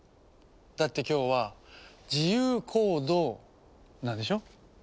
だって今日は「自由行動」なんでしょ？